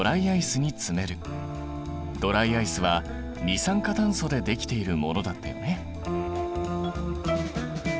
ドライアイスは二酸化炭素でできているものだったよね。